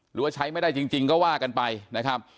หรือว่าใช้ไม่ได้จริงก็ว่ากันไปนะครับ